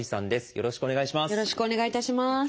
よろしくお願いします。